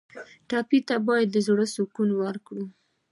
ټپي ته باید د زړه تسکین ورکړو.